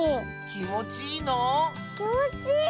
きもちいい！